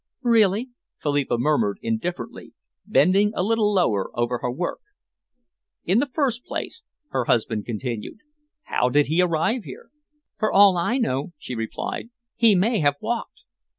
"Really?" Philippa murmured indifferently, bending a little lower over her work. "In the first place," her husband continued, "how did he arrive here?" "For all I know," she replied, "he may have walked."